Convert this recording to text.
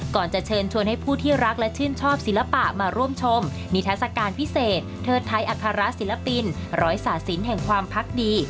ก่อนจะเชิญชวนให้ผู้ที่รักและชื่นชอบศิลปะมาร่วมชมนิทัศกาลพิเศษเทิดไทยอัครศิลปินร้อยศาสินแห่งความพักดี